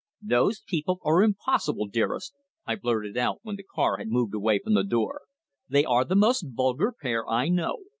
"Those people are impossible, dearest," I blurted out when the car had moved away from the door. "They are the most vulgar pair I know."